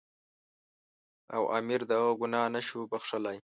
او امیر د هغه ګناه نه شو بخښلای.